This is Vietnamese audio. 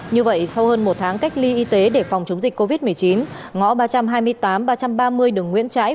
như vậy sau hơn một tháng cách ly y tế để phòng chống dịch covid một mươi chín ngõ ba trăm hai mươi tám ba trăm ba mươi đường nguyễn trãi